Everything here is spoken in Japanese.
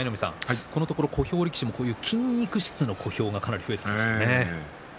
このところ小兵力士もこういう筋肉質の小兵がかなり増えてきましたね。